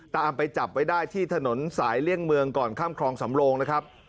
ตามไปจับไว้ได้ที่ถนนสายเลี่ยงเมืองก่อนข้ามคลองสำโลงนะครับ